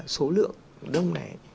số lượng đông này